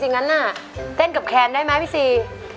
อย่างงั้นนะเต้นกับแค้นได้มั้ยพี่ซี